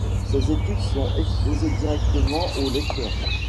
Ces études sont exposées directement au lecteur.